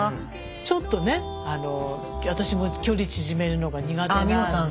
ちょっとね私も距離縮めるのが苦手なんで。